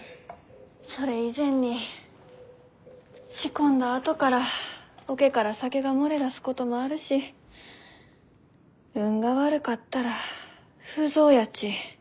それ以前に仕込んだあとから桶から酒が漏れ出すこともあるし運が悪かったら腐造やち。